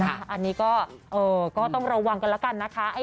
อันนี้ก็ต้องระวังกันแล้วกันนะคะ